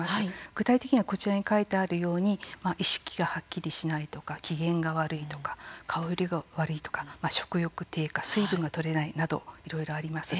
具体的にはこちらに書いてあるように意識がはっきりしないとか機嫌が悪いとか、顔色が悪いとか食欲低下、水分がとれないなどいろいろあります。